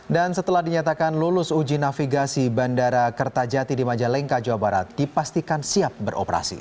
dan setelah dinyatakan lulus uji navigasi bandara kertajati di majalengka jawa barat dipastikan siap beroperasi